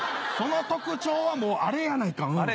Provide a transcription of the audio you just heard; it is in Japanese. その特徴はもうあれやないか。